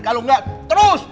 kalau nggak terus